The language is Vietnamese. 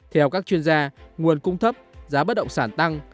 theo các chuyên gia nguồn cung thấp giá bất động sản tăng